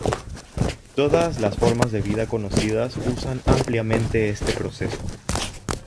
Todas las formas de vida conocidas usan ampliamente este proceso.